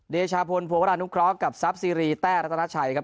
เดชาพลโพกระนุ๊คคล็อกกับซับซีรีส์แต้รัตนาชัยครับ